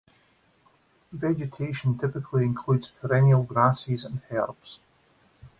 Vegetation typically includes perennial grasses and herbs.